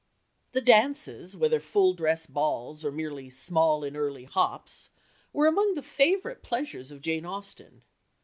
The dances, whether full dress balls or merely "small and early hops" were among the favourite pleasures of Jane Austen.